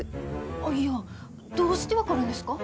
アイヤーどうして分かるんですか？